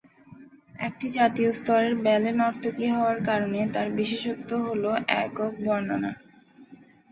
একটি জাতীয় স্তরের ব্যালে নর্তকী হওয়ার কারণে, তার বিশেষত্ব হ'ল একক বর্ণনা।